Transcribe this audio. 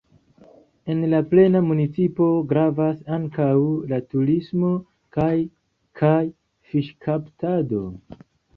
En la plena municipo gravas ankaŭ la turismo kaj kaj fiŝkaptado.